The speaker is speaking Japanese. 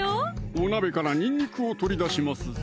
お鍋からにんにくを取り出しますぞ